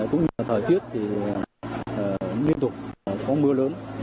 cũng như thời tiết thì liên tục có mưa lớn